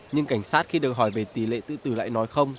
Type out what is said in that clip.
nhưng cảnh sát khi được hỏi về tỷ lệ tự tử lại nói không